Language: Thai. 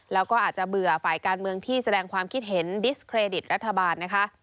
และก็อาจเบื่อฝ่ายการเมืองที่แสดงความคิดเห็นรัฐบาล